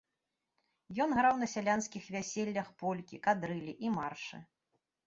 Ён граў на сялянскіх вяселлях полькі, кадрылі і маршы.